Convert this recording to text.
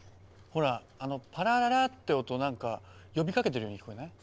ほらあの「パラララ」って音なんか呼びかけてるように聞こえない？